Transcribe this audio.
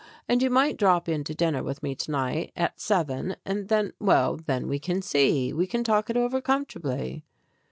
And you might drop in to dinner with me to night at seven, and then well, then we can see, we can talk it over comfortably."